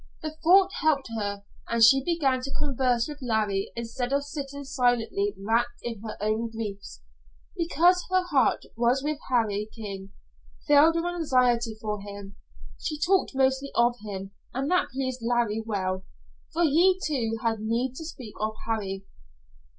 The thought helped her, and she began to converse with Larry instead of sitting silently, wrapped in her own griefs. Because her heart was with Harry King, filled with anxiety for him, she talked mostly of him, and that pleased Larry well; for he, too, had need to speak of Harry.